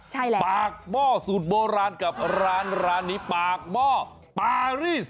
ใช่แล้วปากหม้อสูตรโบราณกับร้านร้านนี้ปากหม้อปารีส